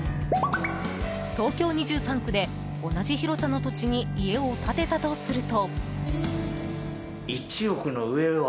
東京２３区で同じ広さの土地に家を建てたとすると。